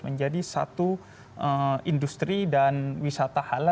menjadi satu industri dan sebuah kontestasi